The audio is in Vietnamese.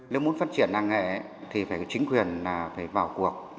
nếu muốn phát triển làng nghề thì phải chính quyền phải vào cuộc